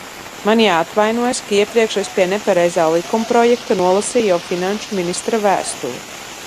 Man ir jāatvainojas, ka iepriekš es pie nepareizā likumprojekta nolasīju jau finanšu ministra vēstuli.